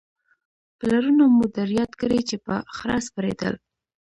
پلرونه مو در یاد کړئ چې په خره سپرېدل